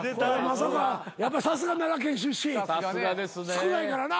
少ないからな。